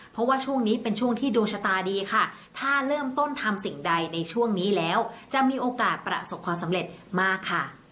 เพราะว่าช่วงนี้เป็นช่วงที่ดวงชะตาดีค่ะถ้าเริ่มต้นทำสิ่งใดในช่วงนี้แล้วจะมีโอกาสประสบความสำเร็จมากค่ะ